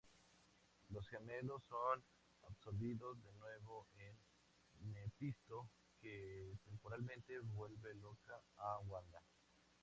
Los gemelos son absorbidos de nuevo en Mephisto, que temporalmente vuelve loca a Wanda.